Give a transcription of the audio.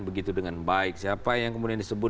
begitu dengan baik siapa yang kemudian disebut